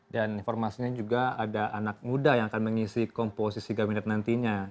dan informasinya juga ada anak muda yang akan mengisi komposisi kabinet nantinya